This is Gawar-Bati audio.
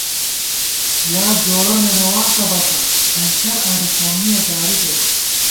یا جوڑہ ننَواتہ بَکا ، ہنشر آنی سومِّیَہ جارُو کېرہ